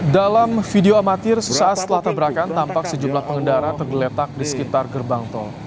dalam video amatir sesaat setelah tabrakan tampak sejumlah pengendara tergeletak di sekitar gerbang tol